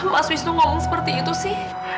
mas wisnu ngomong seperti itu sih